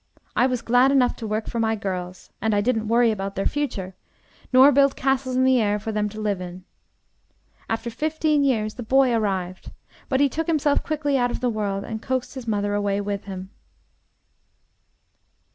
I was glad enough to work for my girls, and I didn't worry about their future, nor build castles in the air for them to live in. After fifteen years the boy arrived, but he took himself quickly out of the world and coaxed his mother away with him."